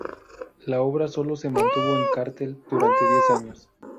La obra solo se mantuvo en cartel durante diez días.